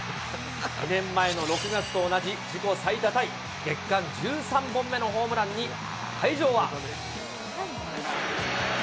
２年前の６月と同じ、自己最多タイ月間１３本目のホームランに、会場は。